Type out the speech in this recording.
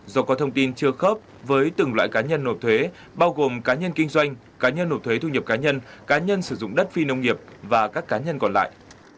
do có thông tin chưa khớp với từng loại cá nhân nộp thuế bao gồm cá nhân kinh doanh cá nhân nộp thuế thu nhập cá nhân cá nhân sử dụng đất phi nông nghiệp và các cá nhân còn lại